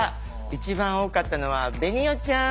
一番多かったのは紅緒ちゃん。